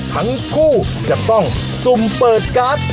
ทั้งคู่จะต้องซุ่มเปิดการ์ด